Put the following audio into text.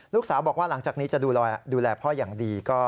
ลูกสาวบอกว่าหลังจากนี้จะดูแลพ่ออย่างดี